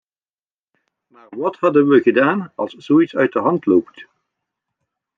Maar wat hadden we gedaan als zoiets uit de hand loopt?